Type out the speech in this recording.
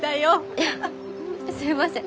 いやすみません。